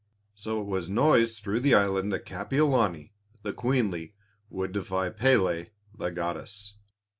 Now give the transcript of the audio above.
So it was noised through the island that Kapiolani, the queenly, would defy Pélé the goddess.